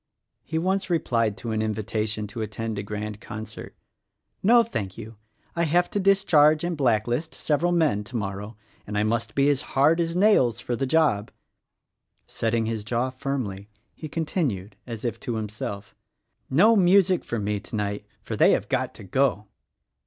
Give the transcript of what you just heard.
He once replied to an invitation to attend a grand concert, "No thank you. I have to discharge and blacklist several men — tomorrow, and I must be as hard as nails for the job." Setting his jaw firmly he continued as if to himself, "No music for me, tonight; for they have got to go!"